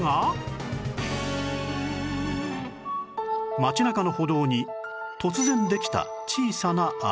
街中の歩道に突然できた小さな穴